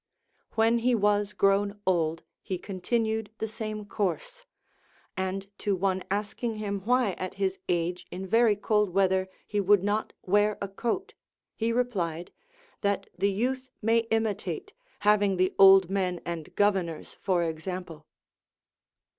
When he was grown old, he continued the sarae course ; and to one asking him why at his age in very cold weather he would not wear a coat, he replied, that LACONIC APOPHTHEGMS. 389 the youth may miitate, havmg the old men and governors for example.